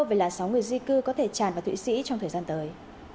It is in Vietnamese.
về là sáu người di cư có thể tràn vào thủy sĩ trong thời gian tới